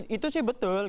itu sih betul